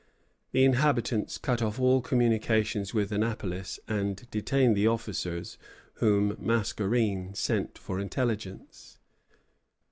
The inhabitants cut off all communication with Annapolis, and detained the officers whom Mascarene sent for intelligence.